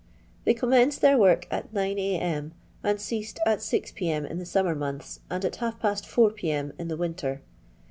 They commenced their work at 9 A.M. and ceased at 6 P.M. in the summer months, and at half past 4 P.1C. in the winter.